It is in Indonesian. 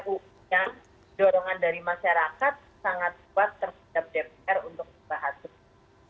ini salah satu undang ruu yang dorongan dari masyarakat sangat kuat terhadap dpr untuk berhasil